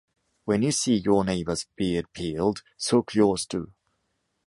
When you see your neighbor’s beard peeled, soak yours too.